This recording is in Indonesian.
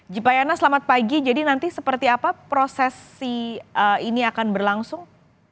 jipayana selamat pagi jadi nanti seperti apa prosesi ini akan berlangsung